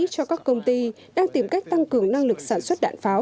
cho các công ty đang tìm cách tăng cường năng lực sản xuất đạn pháo